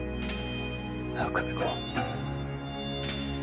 なあ久美子。